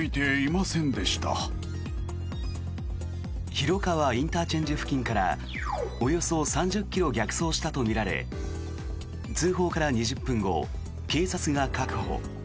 広川ＩＣ付近からおよそ３０ｋｍ逆走したとみられ通報から２０分後警察が確保。